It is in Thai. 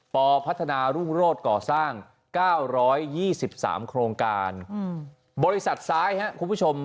พัฒนารุ่งโรศก่อสร้าง๙๒๓โครงการบริษัทซ้ายครับคุณผู้ชม